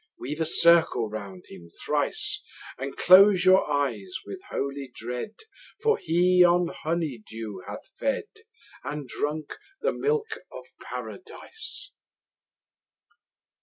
50 Weave a circle round him thrice, And close your eyes with holy dread, For he on honey dew hath fed, And drunk the milk of Paradise.